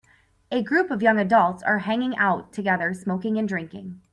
The group of young adults are hanging out together smoking and drinking.